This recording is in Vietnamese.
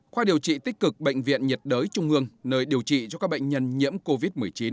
khoa điều trị tích cực bệnh viện nhiệt đới trung ương nơi điều trị cho các bệnh nhân nhiễm covid một mươi chín